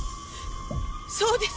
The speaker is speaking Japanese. そうです！